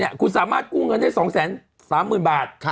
คุณสามารถกู้เงินได้๒๓๐๐๐บาท